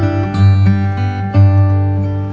terima kasih ya mas